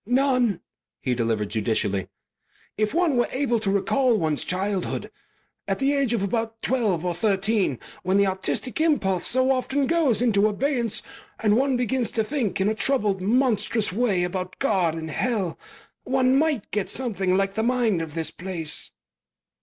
"None," he delivered judicially. "If one were able to recall one's childhood at the age of about twelve or thirteen when the artistic impulse so often goes into abeyance and one begins to think in a troubled, monstrous way about God and Hell, one might get something like the mind of this place."